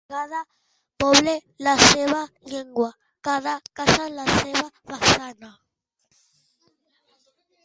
Cada poble la seva llengua, cada casa la seva façana.